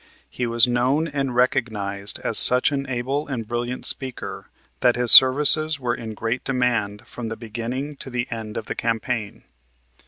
He was known and recognized as such an able and brilliant speaker that his services were in great demand from the beginning to the end of the campaign.